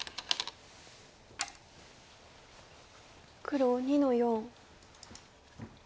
黒２の四。